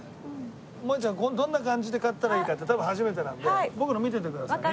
もえちゃんどんな感じで買ったらいいかって多分初めてなので僕の見ててくださいね。